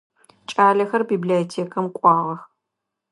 Кӏалэхэр библиотекэм кӏуагъэх.